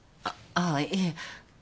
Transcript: ああいえ。